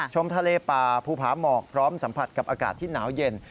ชมทะเลป่าภูผาหมอกพร้อมสัมผัสกับอากาศที่หนาวเย็น